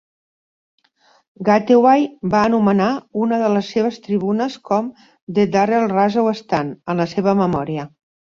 Gateway va anomenar una de les seves tribunes com "The Darrell Russell Stand" en la seva memòria.